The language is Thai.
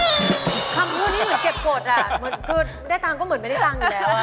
คำพูดที่เหมือนเก็บกฎเหมือนคือได้ตังค์ก็เหมือนไม่ได้ตังค์อยู่แล้ว